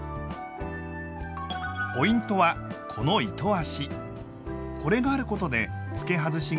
ポイントはこの糸足！